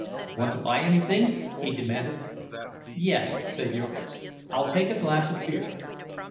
"Want to buy anything?" he demanded. "Yes," said Jurgis, "I'll take a glass of beer."